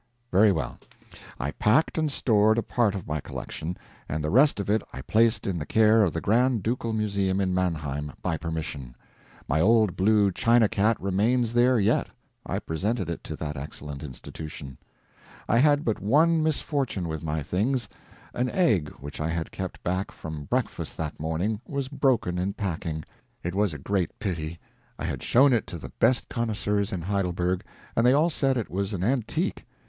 Very well; I packed and stored a part of my collection, and the rest of it I placed in the care of the Grand Ducal Museum in Mannheim, by permission. My Old Blue China Cat remains there yet. I presented it to that excellent institution. I had but one misfortune with my things. An egg which I had kept back from breakfast that morning, was broken in packing. It was a great pity. I had shown it to the best connoisseurs in Heidelberg, and they all said it was an antique.